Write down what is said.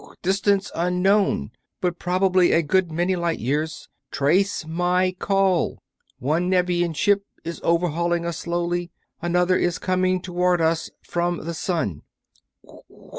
Distance unknown, but probably a good many light years. Trace my call. One Nevian ship is overhauling us slowly, another is coming toward us from the sun.